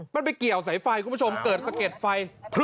มันไปเกี่ยวสายไฟคุณผู้ชมเกิดสะเก็ดไฟ